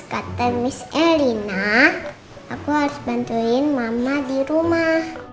kata mis elina aku harus bantuin mama di rumah